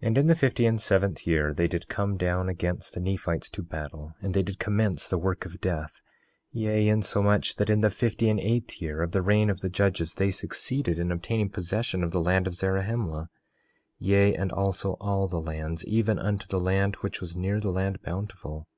4:5 And in the fifty and seventh year they did come down against the Nephites to battle, and they did commence the work of death; yea, insomuch that in the fifty and eighth year of the reign of the judges they succeeded in obtaining possession of the land of Zarahemla; yea, and also all the lands, even unto the land which was near the land Bountiful.